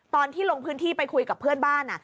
ตอนที่ลงพื้นที่ไปคุยกับเพื่อนบ้าน